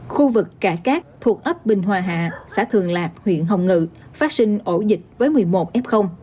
khu vực cải cát thuộc ấp bình hòa hạ xã thường lạc huyện hồng ngự phát sinh ổ dịch với một mươi một f